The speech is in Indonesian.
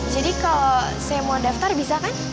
jadi kalau saya mau daftar bisa kan